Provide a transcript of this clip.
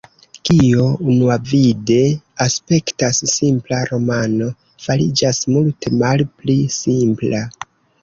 Kio unuavide aspektas simpla romano, fariĝas multe malpli simpla.